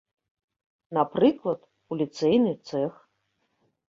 Напрыклад, у ліцейны цэх.